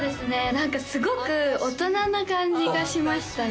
何かすごく大人な感じがしましたね